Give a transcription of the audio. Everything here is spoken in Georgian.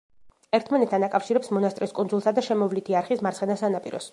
ერთმანეთთან აკავშირებს მონასტრის კუნძულსა და შემოვლითი არხის მარცხენა სანაპიროს.